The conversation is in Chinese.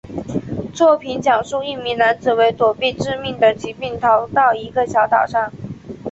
作品讲述一名男子为躲避致命的疾病逃到一个小岛上。